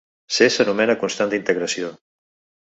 "C" s'anomena constant d'integració.